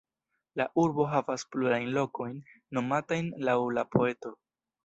La urbo havas plurajn lokojn nomatajn laŭ la poeto.